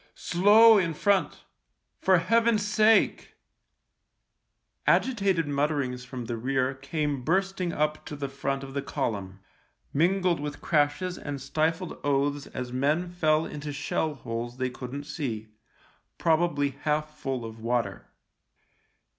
"Slow in front — for Heaven's sake." Agitated mutterings from the rear came bursting up to the front of the column, mingled with crashes and stifled oaths as men fell into shell holes they couldn't see, probably half full of water.